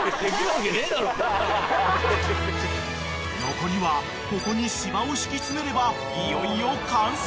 ［残りはここに芝を敷き詰めればいよいよ完成］